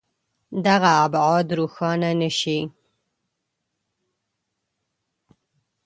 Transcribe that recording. دغه ابعاد روښانه نه شي.